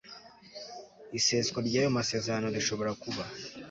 iseswa ry ayo masezerano rishobora kuba